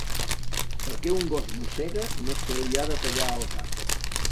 Perquè un gos mossega no se li ha de tallar el cap.